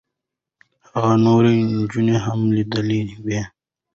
هغې نورې نجونې هم لیدلې وې.